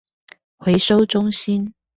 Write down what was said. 回收中心